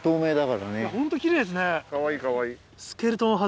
かわいいかわいい。